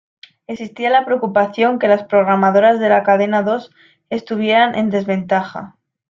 Existía la preocupación que las programadoras de la Cadena Dos estuvieran en desventaja.